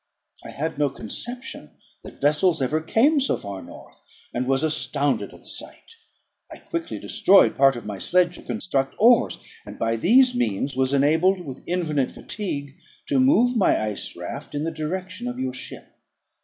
I had no conception that vessels ever came so far north, and was astounded at the sight. I quickly destroyed part of my sledge to construct oars; and by these means was enabled, with infinite fatigue, to move my ice raft in the direction of your ship.